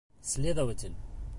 Следователь.